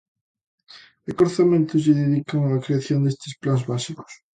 ¿E que orzamento lle dedican á creación destes plans básicos?